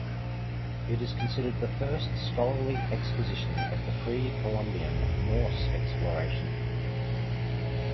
It is considered the first scholarly exposition of the Pre-Columbian Norse exploration.